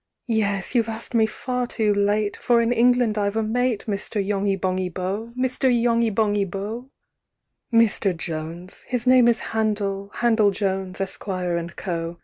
"Yes! you've asked me far too late, "For in England I've a mate, "Mr. Yonghy Bonghy Bò! "Mr. Yonghy Bonghy Bò! VI. "Mr. Jones (his name is Handel, "Handel Jones, Esquire, & Co.)